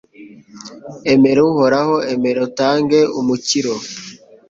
Emera Uhoraho emera utange umukiro